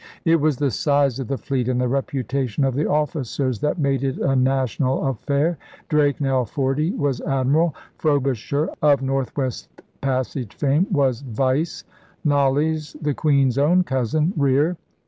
It was the size of the fleet and the reputation of the officers that made it a national affair. Drake, now forty, was 'Admiral'; Frobisher, of North West Passage fame, was 'Vice'; Knollys, the Queen's own cousin, 'Rear.'